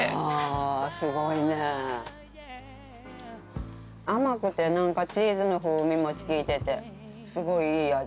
あすごいね。甘くて何かチーズの風味も効いててすごいいい味。